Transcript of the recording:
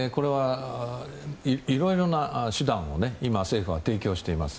いろいろな手段を今、政府は提供しています。